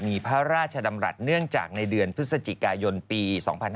มีพระราชดำรัฐเนื่องจากในเดือนพฤศจิกายนปี๒๕๕๙